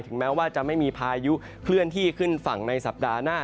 แม้ว่าจะไม่มีพายุเคลื่อนที่ขึ้นฝั่งในสัปดาห์หน้า